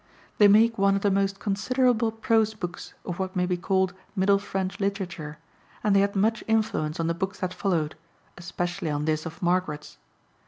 They make one of the most considerable prose books of what may be called middle French literature, and they had much influence on the books that followed, especially on this of Margaret's.